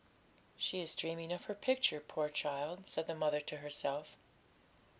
"' 'She is dreaming of her picture, poor child,' said the mother to herself.